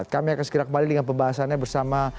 kami akan segera kembali dengan pembahasannya bersama